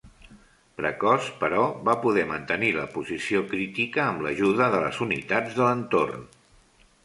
Precoç, però va poder mantenir la posició crítica amb l'ajuda de les unitats de l'entorn.